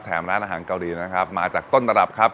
ร้านอาหารเกาหลีนะครับมาจากต้นตรับครับ